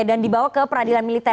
dan dibawa ke peradilan militer